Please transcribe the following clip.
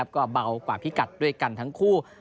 ก็เบากว่าพิกัดด้วยกันทั้งคู่